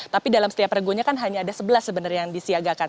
tapi dalam setiap regonya kan hanya ada sebelas sebenarnya yang disiagakan